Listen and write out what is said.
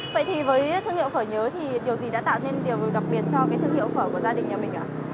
vậy thì với thương hiệu khởi nhớ thì điều gì đã tạo nên điều đặc biệt cho cái thương hiệu phở của gia đình nhà mình ạ